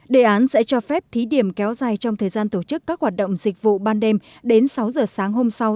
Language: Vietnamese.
đề án sẽ cho phép thí điểm kéo dài trong thời gian tổ chức các hoạt động dịch vụ ban đêm đến sáu giờ sáng hôm sau